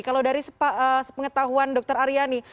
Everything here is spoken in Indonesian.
kalau dari pengetahuan dr aryani